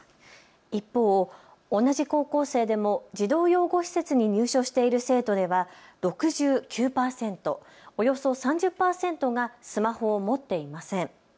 一方、同じ高校生でも児童養護施設に入所している生徒では６９％、およそ３０％がスマホを持っていません。